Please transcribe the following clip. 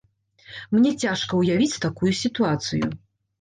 Мне цяжка ўявіць такую сітуацыю.